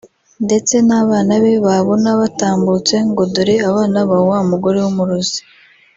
ndetse n’abana be babona batambutse ngo dore abana ba wa mugore w’umurozi